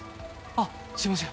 あっすいません。